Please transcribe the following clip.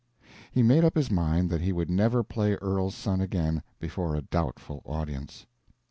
He made up his mind that he would never play earl's son again before a doubtful audience.